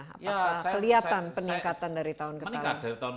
apakah kelihatan peningkatan dari tahun ke tahun